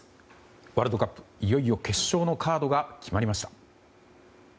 ワールドカップ、いよいよ決勝のカードが決まりました。